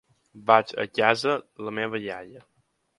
Vaig a casa la meva iaia.